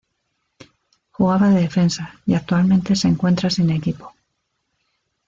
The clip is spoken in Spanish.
Jugaba de defensa y actualmente se encuentra sin equipo.